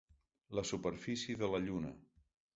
La superfície de la lluna.